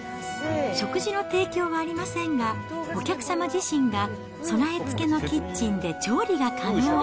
食事の提供はありませんが、お客様自身が備え付けのキッチンで調理が可能。